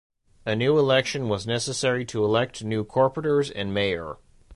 A new election was necessary to elect new Corporators and Mayor.